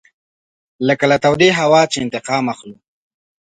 لکه له تودې هوا چې انتقام اخلو.